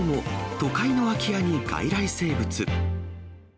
都会の空き家に外来生物。